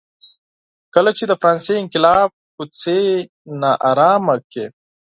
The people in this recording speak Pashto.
کله چې د فرانسې انقلاب کوڅې نا ارامه کړې.